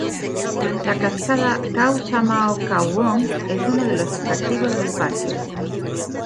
La cascada Khao Chamao-Khao Wong es uno de los atractivos del parque.